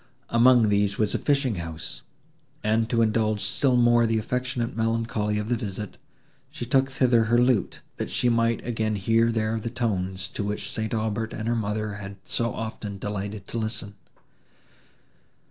Among these was the fishing house; and, to indulge still more the affectionate melancholy of the visit, she took thither her lute, that she might again hear there the tones, to which St. Aubert and her mother had so often delighted to listen.